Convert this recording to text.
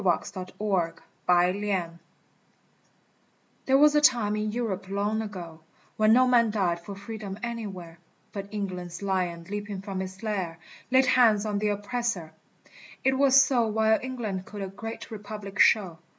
QUANTUM MUTATA THERE was a time in Europe long ago When no man died for freedom anywhere, But England's lion leaping from its lair Laid hands on the oppressor ! it was so While England could a great Republic show.